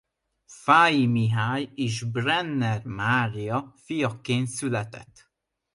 Fáy Mihály és Brenner Mária fiaként született.